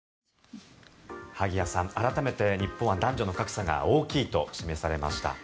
萩谷さん、改めて日本は男女の格差が大きいと示されました。